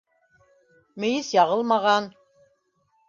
Мейес яғылмаған.